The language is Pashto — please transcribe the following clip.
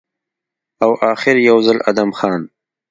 او اخر يو ځل ادم خان